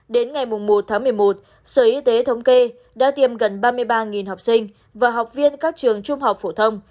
đến ngày một tháng một mươi một sở y tế thống kê đã tiêm gần ba mươi ba học sinh và học viên các trường trung học phổ thông